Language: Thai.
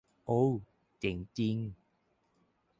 โอว เจ๋งจริง